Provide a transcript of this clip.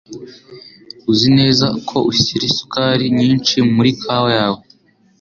Uzi neza ko ushyira isukari nyinshi muri kawa yawe.